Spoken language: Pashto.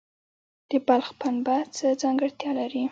د بلخ پنبه څه ځانګړتیا لري؟